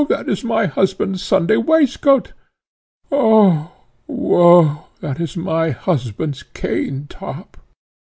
that is my husband's Sunday waistcoat! Ah, woe! that is my husband's cane top!"